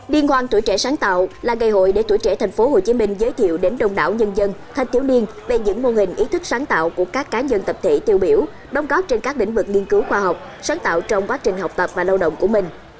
liên hoan tuổi trẻ sáng tạo là ngày hội để tuổi trẻ tp hcm giới thiệu đến đông đảo nhân dân thanh thiếu niên về những mô hình ý thức sáng tạo của các cá nhân tập thể tiêu biểu đồng góp trên các lĩnh vực nghiên cứu khoa học sáng tạo trong quá trình học tập và lao động của mình